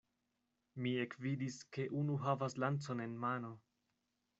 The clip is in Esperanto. Mi ekvidis, ke unu havas lancon en mano.